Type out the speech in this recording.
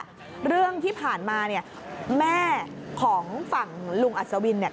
เรื่องที่ผ่านมาเนี่ยแม่ของฝั่งลุงอัศวินเนี่ย